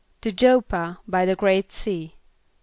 =To J[)o]p´p[.a], by the Great Sea.